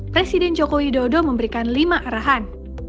presiden joko widodo memberikan lima arahan